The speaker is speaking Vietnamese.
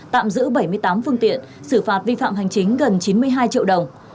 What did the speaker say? tạm giữ bảy mươi tám phương tiện xử phạt vi phạm hành chính gần chín mươi hai triệu đồng